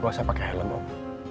gak usah pakai helm om